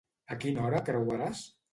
A quina hora creuaràs?